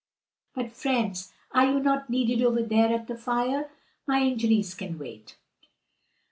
But, friends, are you not needed over there at the fire? My injuries can wait."